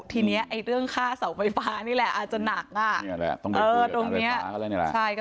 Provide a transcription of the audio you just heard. ทีนี้เรื่องค่าเสาไฟฟ้านี่แหละอาจจะหนัก